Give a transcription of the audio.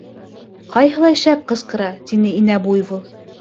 — Ҡайһылай шәп ҡысҡыра! — тине инә буйвол.